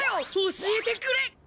教えてくれ！